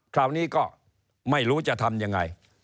คราวนี้ก็ไม่รู้จะทำยังไง